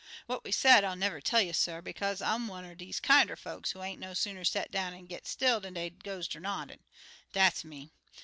What we said I'll never tell you, suh, bekaze I'm one er deze kinder folks what ain't no sooner set down an' git still dan dey goes ter noddin'. Dat's me.